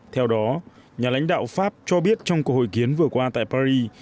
theo đó nhà lãnh đạo pháp cho biết trong cuộc hội kiến vừa qua tại paris